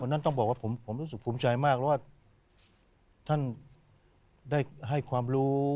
นั้นต้องบอกว่าผมรู้สึกภูมิใจมากเพราะว่าท่านได้ให้ความรู้